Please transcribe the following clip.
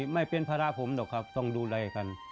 ไม่เป็นภาระผมหรอกครับต้องดูแลกัน